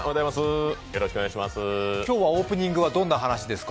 今日はオープニングはどんな話ですか？